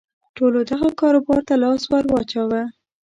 ټولو دغه کاروبار ته لاس ور واچاوه.